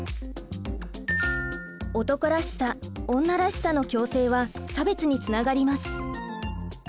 「男らしさ」「女らしさ」の強制は差別につながります。